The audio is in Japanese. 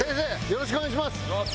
よろしくお願いします！